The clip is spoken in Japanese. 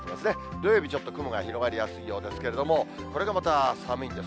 土曜日ちょっと雲が広がりやすいようですけれども、これがまた寒いんです。